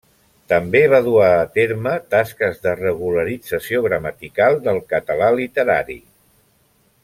També va dur a terme tasques de regularització gramatical del català literari.